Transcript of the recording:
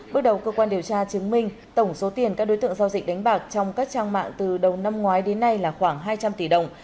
bước đầu cơ quan điều tra chứng minh tổng số tiền các đối tượng giao dịch đánh bạc trong các trang mạng từ đầu năm ngoái đến nay là khoảng hai trăm linh tỷ đồng